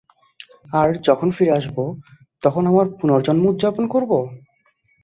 আর যখন ফিরে আসব, তখন আমার পূণর্জন্ম উদযাপন করব?